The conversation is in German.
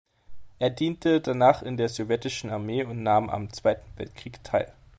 Er diente danach in der Sowjetischen Armee und nahm am Zweiten Weltkrieg teil.